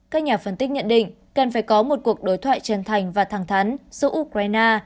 các nhà phân tích nhận định cần phải có một cuộc đối thoại chân thành và thẳng thắn giữa ukraine